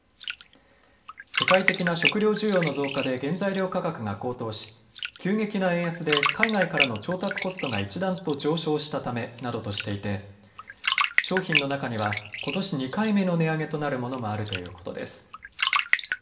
世界的な食料需要の増加で原材料価格が高騰し急激な円安で海外からの調達コストが一段と上昇したためなどとしていて商品の中には、ことし２回目の値上げとなるものもあるということです。